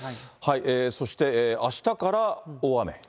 そして、あしたから大雨。